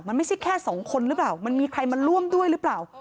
มันไม่ใช่แค่สองคนหรือเปล่ามันมีใครมาร่วมด้วยหรือเปล่า